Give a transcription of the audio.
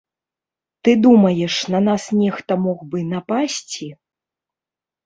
Ты думаеш, на нас нехта мог бы напасці?